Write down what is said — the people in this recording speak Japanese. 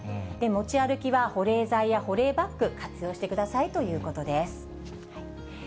持ち歩きは保冷材や保冷バッグ、活用してくださいということです。